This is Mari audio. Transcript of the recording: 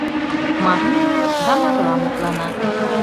Марий улыт да марла мутланат.